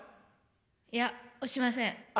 いや押しません。